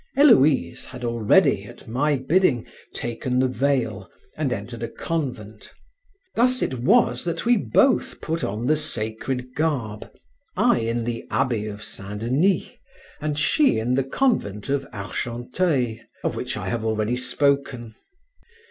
Héloïse had already, at my bidding, taken the veil and entered a convent. Thus it was that we both put on the sacred garb, I in the abbey of St. Denis, and she in the convent of Argenteuil, of which I have already spoken.